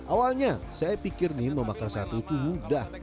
awalnya saya pikir nih mau makan satu itu udah